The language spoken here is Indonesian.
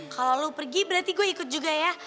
kalau lo pergi berarti gue ikut juga ya